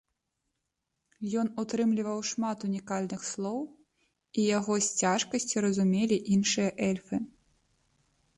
Ён утрымліваў шмат унікальных слоў і яго з цяжкасцю разумелі іншыя эльфы.